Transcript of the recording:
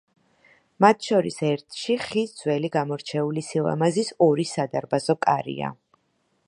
მათ შორის ერთში, ხის ძველი გამორჩეული სილამაზის ორი სადარბაზო კარია.